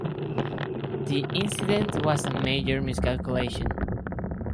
The incident was a major miscalculation.